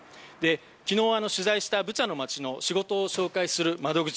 昨日、取材したブチャの街の仕事を紹介する窓口。